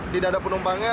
tidak ada penumpangnya